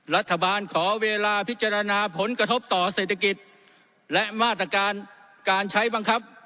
รัฐบาลขอเวลาพิจารณาผลกระทบต่อเศรษฐกิจและมาตรการการใช้บังคับ